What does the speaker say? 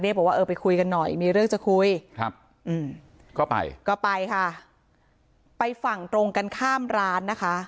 บอกว่าเออไปคุยกันหน่อยมีเรื่องจะคุยครับก็ไปก็ไปค่ะไปฝั่งตรงกันข้ามร้านนะคะ